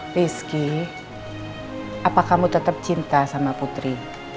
rizky apa kamu tetap cinta sama putri